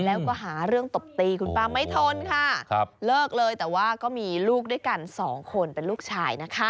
แล้วก็หาเรื่องตบตีคุณป้าไม่ทนค่ะเลิกเลยแต่ว่าก็มีลูกด้วยกันสองคนเป็นลูกชายนะคะ